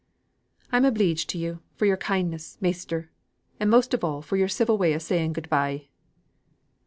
"I'm obleeged to you for a' yo'r kindness, measter, and most of a' for yo'r civil way o' saying good bye."